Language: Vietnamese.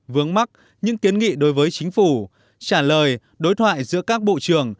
vướng mắt những kiến nghị đối với chính phủ trả lời đối thoại giữa các bộ trưởng